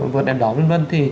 vượt đèn đỏ v v